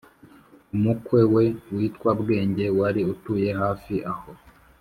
Umukwe we witwaga Bwenge wari utuye hafi aho